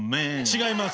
違います。